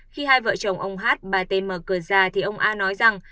khi hai vợ chồng ông h bà t mở cửa ra thì ông a nói rằng